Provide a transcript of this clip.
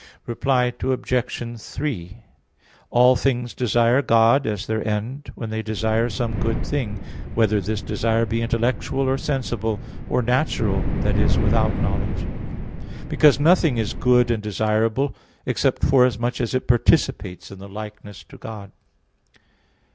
Reply Obj. 3: All things desire God as their end, when they desire some good thing, whether this desire be intellectual or sensible, or natural, i.e. without knowledge; because nothing is good and desirable except forasmuch as it participates in the likeness to God.